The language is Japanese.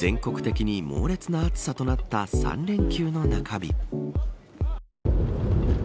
全国的に猛烈な暑さとなった３連休の中日。